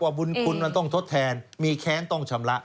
บุญคุณมันต้องทดแทนมีแค้นต้องชำระ